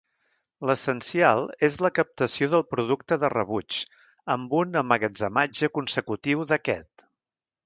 L'essencial és la captació del producte de rebuig amb un emmagatzematge consecutiu d'aquest.